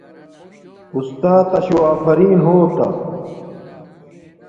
استاتا شو افرین ہوتا